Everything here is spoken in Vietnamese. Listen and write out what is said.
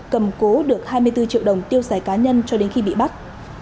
cầm cố được hai mươi bốn triệu đồng tiêu xài cá nhân cho đến khi bị bắt